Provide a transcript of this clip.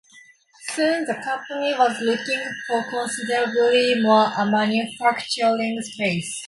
Soon the company was looking for considerably more manufacturing space.